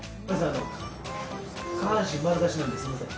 あの下半身丸出しなんですいません